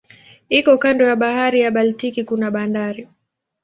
Iko kando ya bahari ya Baltiki kuna bandari.